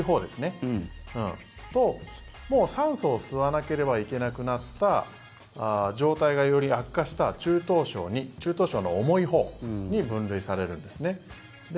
それと、酸素を吸わなければいけなくなった状態がより悪化した中等症のより重いほうに分類されるんですね。